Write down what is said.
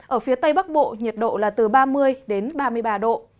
ở phía tây bắc bộ nhiệt độ là từ ba mươi đến ba mươi ba độ